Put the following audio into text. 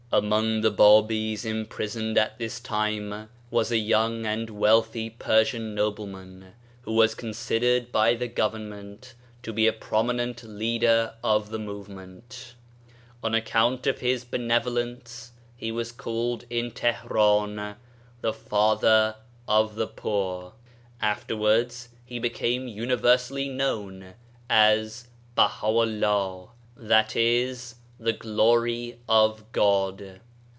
Among the Babis imprisoned at this time was a young and wealthy Persian nobleman, who was considered by the Government to be a prominent leader of the movement. On account of his benevolence he was called, in Teheran, the " Father of the Poor. " Afterwards he became universally known as Baha'u'llah (i.e. "The Glory of God").